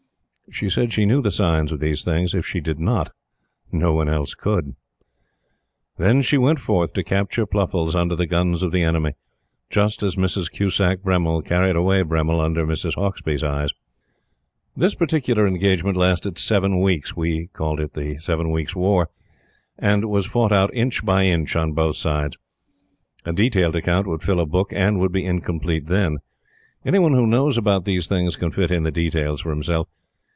She said she knew the signs of these things. If she did not, no one else could. Then she went forth to capture Pluffles under the guns of the enemy; just as Mrs. Cusack Bremmil carried away Bremmil under Mrs. Hauksbee's eyes. This particular engagement lasted seven weeks we called it the Seven Weeks' War and was fought out inch by inch on both sides. A detailed account would fill a book, and would be incomplete then. Any one who knows about these things can fit in the details for himself.